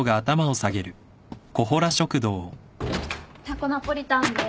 タコナポリタンです。